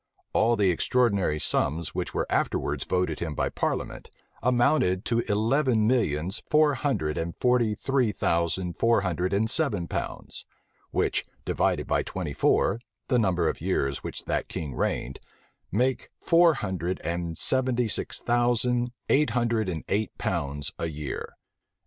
[] All the extraordinary sums which were afterwards voted him by parliament, amounted to eleven millions four hundred and forty three thousand four hundred and seven pounds; which, divided by twenty four, the number of years which that king reigned, make four hundred and seventy six thousand eight hundred and eight pounds a year.